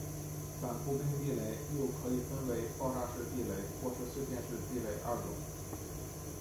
反步兵地雷又可以分为爆炸式地雷或是碎片式地雷二种。